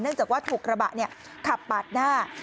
จากว่าถูกกระบะขับปาดหน้า